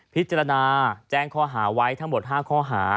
พิจารณาแจ้งข้อหาไว้ทั้งหมด๕ข้อหา